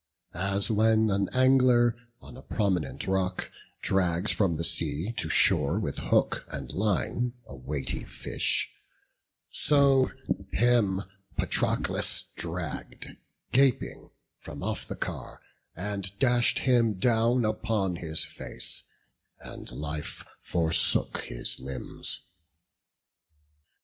As when an angler on a prominent rock Drags from the sea to shore with hook and line A weighty fish; so him Patroclus dragg'd, Gaping, from off the car; and dash'd him down Upon his face; and life forsook his limbs.